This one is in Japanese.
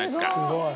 すごい。